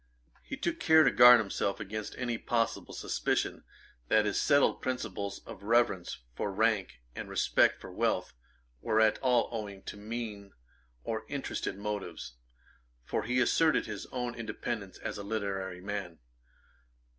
He took care to guard himself against any possible suspicion that his settled principles of reverence for rank and respect for wealth were at all owing to mean or interested motives; for he asserted his own independence as a literary man.